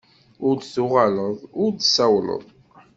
Ur d-tuɣaleḍ ur d-tsawleḍ.